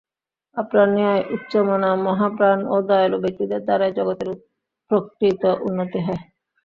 আপনার ন্যায় উচ্চমনা, মহাপ্রাণ ও দয়ালু ব্যক্তিদের দ্বারাই জগতের প্রকৃত উন্নতি হয়।